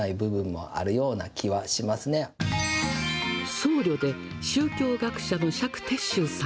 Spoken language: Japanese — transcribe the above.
僧侶で宗教学者の釈徹宗さん。